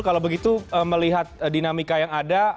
kalau begitu melihat dinamika yang ada